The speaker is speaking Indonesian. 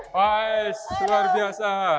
wais luar biasa